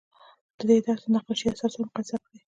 د دې درس د نقاشۍ اثار سره مقایسه کړئ.